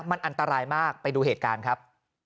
มันอันตรายมากไปดูเหตุการณ์ครับ